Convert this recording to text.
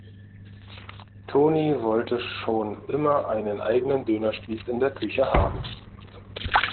Toni wollte schon immer einen eigenen Dönerspieß in der Küche haben.